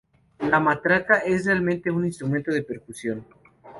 La matraca es realmente un instrumento de percusión.